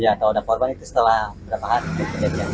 iya tahu ada korban itu setelah berapa hari